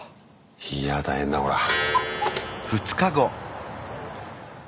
いや大変だこれは。